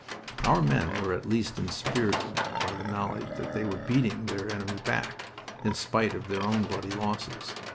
Our men were at least inspirited by the knowledge that they were beating their enemy back, in spite of their own bloody losses.